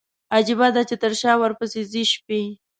عجيبه ده، چې تر شا ورپسي ځي شپي